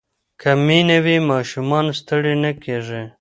که مینه وي ماشومان ستړي نه کېږي.